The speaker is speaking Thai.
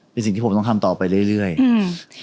เป็นสิ่งที่ผมต้องทำต่อไปเรื่อยเรื่อยอืม